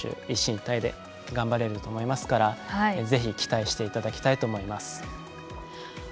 一体で頑張れると思いますからぜひ、期待していただきたいと思います。